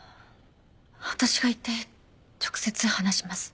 私が行って直接話します。